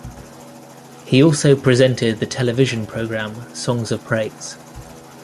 He also presented the television programme "Songs of Praise".